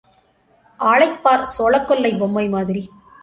ஆளைப் பார், சோளக் கொல்லைப் பொம்மை மாதிரி.